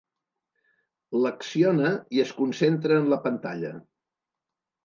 L'acciona i es concentra en la pantalla.